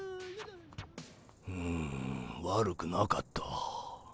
うん悪くなかった。